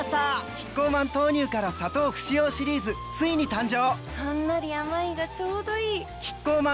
キッコーマン豆乳から砂糖不使用シリーズついに誕生！